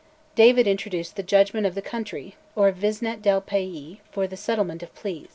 David introduced the "Judgment of the Country" or Visnet del Pais for the settlement of pleas.